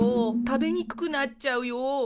食べにくくなっちゃうよ！